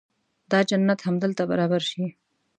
دا جنت همدلته برابر شي.